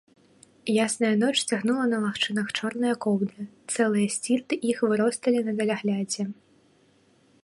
Ясная ноч цягнула па лагчынах чорныя коўдры, цэлыя сцірты іх выросталі на даляглядзе.